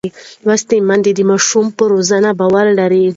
لوستې میندې د ماشوم پر روزنه باور لري.